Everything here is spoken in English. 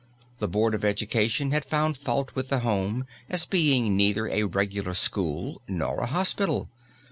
The board of education had found fault with the home as being neither a regular school nor a hospital.